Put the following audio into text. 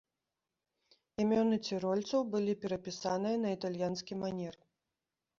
Імёны цірольцаў былі перапісаныя на італьянскі манер.